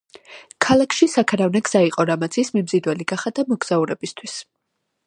ქალაქში საქარავნე გზა იყო, რამაც ის მიმზიდველი გახადა მოგზაურებისთვის.